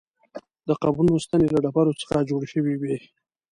د قبرونو ستنې له ډبرو څخه جوړې شوې وې.